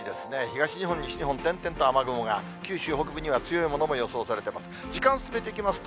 東日本、西日本、点々と雨雲が、九州北部には強いものも予想されています。